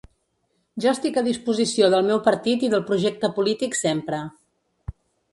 Jo estic a disposició del meu partit i del projecte polític sempre.